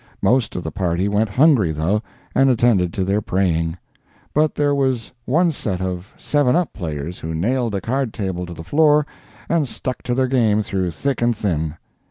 Most of the party went hungry, though, and attended to their praying. But there was one set of "seven up" players who nailed a card table to the floor and stuck to their game through thick and thin.